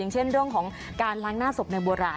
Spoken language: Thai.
เช่นเรื่องของการล้างหน้าศพในโบราณ